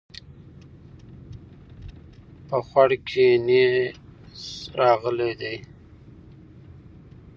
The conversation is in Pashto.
په خوړ کې نيز راغلی دی